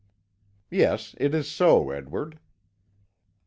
"Yes, it is so, Edward."